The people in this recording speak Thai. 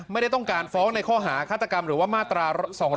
ไม่ได้ต้องการฟ้องในข้อหาฆาตกรรมหรือว่ามาตรา๒๗